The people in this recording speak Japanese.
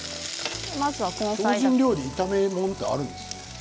精進料理に炒め物ってあるんですね。